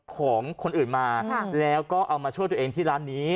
ของคนอื่นมาแล้วก็เอามาช่วยตัวเองที่ร้านนี้